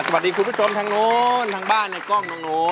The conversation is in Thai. สวัสดีคุณผู้ชมทางนู้นทางบ้านในกล้องน้องนู้น